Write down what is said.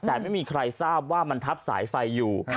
แต่ไม่มีใครทราบว่ามันทับสายไฟอยู่